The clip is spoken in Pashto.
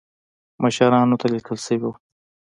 مشرانو ته لیکل شوي وو.